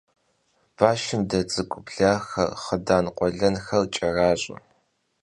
Башым дэ цӀыкӀу блахэр, хъыдан къуэлэнхэр кӀэращӀэ.